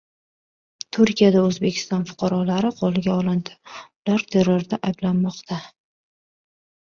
Turkiyada O‘zbekiston fuqarolari qo‘lga olindi. Ular terrorda ayblanmoqda